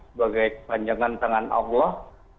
sebagai panjangan tangan allah